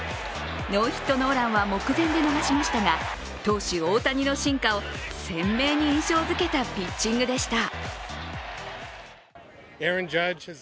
ノーヒットノーランは目前で逃しましたが投手・大谷の進化を鮮明に印象づけたピッチングでした。